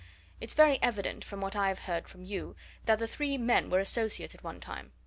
It's very evident, from what I've heard from you, that the three men were associates at one time.